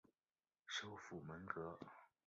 首府蒙戈。